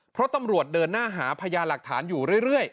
เพราะตำรวจเดินหน้าหาพยานหลักฐานอยู่เรื่อย